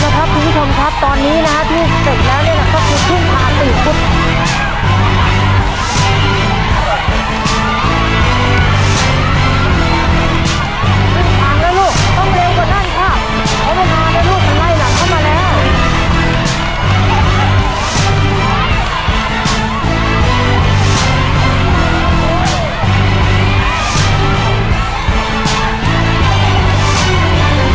ขึ้นทางแล้วลูกต้องเร็วกว่านั่นครับเขาต้องพานั่นลูกข้างในหลังเข้ามาแล้ว